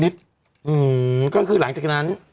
ก็คือหลังจากนั้น